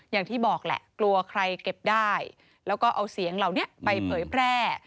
อย่างที่บอกแหละกลัวใครเก็บได้แล้วก็เอาเสียงเหล่านี้ไปเผยแพร่